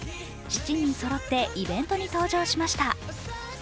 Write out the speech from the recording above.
７人そろってイベントに登場しました。